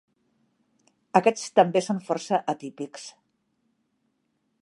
Aquests també són força atípics.